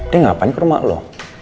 dia ngapain ke rumah loh